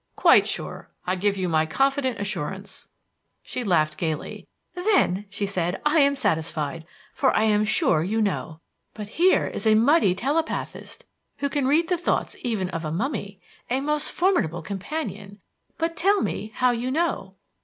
"Quite sure. I give you my confident assurance." She laughed gaily. "Then," said she, "I am satisfied, for I am sure you know. But here is a mighty telepathist who can read the thoughts even of a mummy. A most formidable companion. But tell me how you know."